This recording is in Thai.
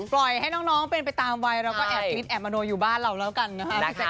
ปล่อยให้น้องเป็นไปตามวัยเราก็แอบมิดแอบมโนอยู่บ้านเราแล้วกันนะคะพี่แจ๊